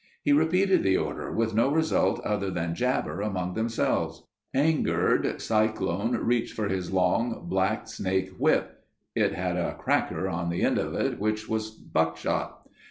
He repeated the order with no result other than jabber among themselves. Angered, Cyclone reached for his long blacksnake whip. It had a "cracker" on the end of which was a buckshot.